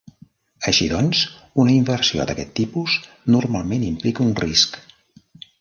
Així doncs, una inversió d'aquest tipus normalment implica un risc.